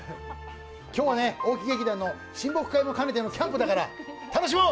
今日はね、大木劇団の親睦会も兼ねてのキャンプだから楽しもう！